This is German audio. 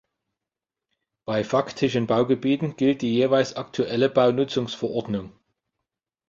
Bei faktischen Baugebieten gilt die jeweils aktuelle Baunutzungsverordnung.